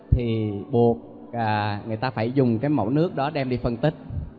thì buộc người ta phải dùng cái mẫu nước đó đem đi phân tích